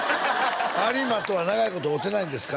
有馬とは長いこと会うてないんですか？